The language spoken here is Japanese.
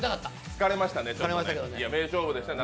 疲れましたけどね。